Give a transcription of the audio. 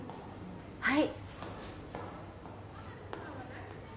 はい。